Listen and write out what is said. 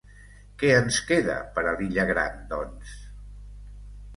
Què ens queda per a l'illa Gran, doncs?